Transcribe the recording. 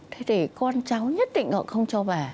thế thì con cháu nhất định họ không cho bà